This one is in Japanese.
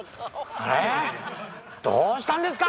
えっ⁉どうしたんですか？